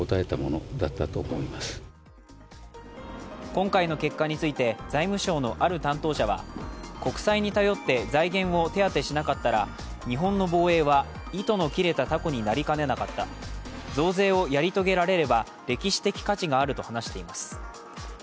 今回の結果について財務省のある担当者は国債に頼って財源を手当てしなかったら日本の防衛は糸の切れたたこになりかねなかった、増税をやり遂げられれば歴史的価値があると話しています。